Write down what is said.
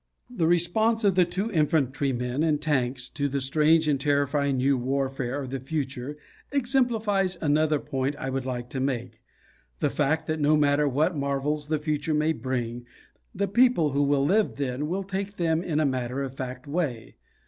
The response of the two infantrymen in "Tanks" to the strange and terrifying new warfare of the future exemplifies another point I would like to make the fact that no matter what marvels the future may bring, the people who will live then will take them in a matter of fact way.